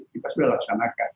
kita sudah laksanakan